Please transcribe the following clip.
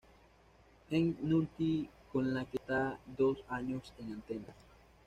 McNulty", con la que está dos años en antena.